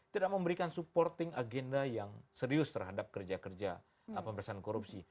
tidak memberikan supporting agenda yang serius terhadap kerja kerja pemerintahan korupsi